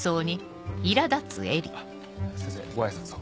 先生ご挨拶を。